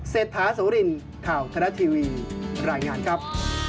เศรษฐาโสรินข่าวทะละทีวีรายงานครับ